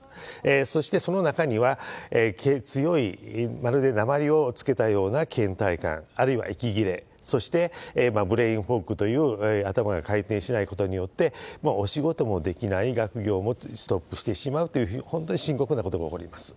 そして、その中には強い、まるでなまりをつけたようなけん怠感、あるいは息切れ、そしてブレインホークという、頭が回転しないことによって、お仕事もできない、学業もストップしてしまうという、本当に深刻なことが起こります。